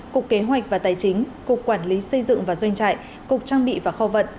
cục kế hoạch và tài chính cục quản lý xây dựng và doanh trại cục trang bị và kho vận